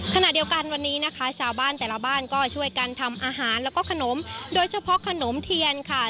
ขณะเดียวกันวันนี้นะคะชาวบ้านแต่ละบ้านก็ช่วยกันทำอาหารแล้วก็ขนมโดยเฉพาะขนมเทียนค่ะ